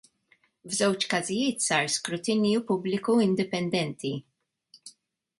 Fiż-żewġ każijiet sar skrutinju pubbliku indipendenti.